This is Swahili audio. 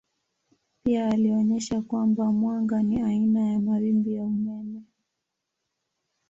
Pia alionyesha kwamba mwanga ni aina ya mawimbi ya umeme.